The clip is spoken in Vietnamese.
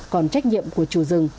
còn trách nhiệm của chủ rừng